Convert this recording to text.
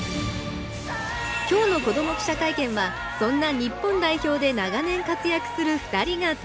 今日の子ども記者会見はそんな日本代表で長年活躍する２人が登場。